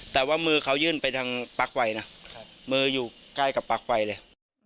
แต่ว่ามือเขายื่นไปทางปลั๊กไฟนะมืออยู่ใกล้กับปลั๊กไฟเลย